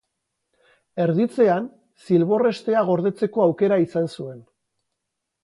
Erditzean, zilbor hestea gordetzeko aukera izan zuen.